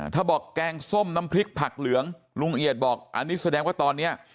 ถ้าบอกแกงส้มน้ำพริกผักเหลืองลุงเอียดบอกอันนี้แสดงว่าตอนนี้